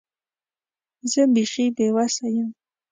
زه بیخي بې وسه یم .